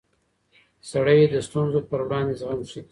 سړی د ستونزو پر وړاندې زغم ښيي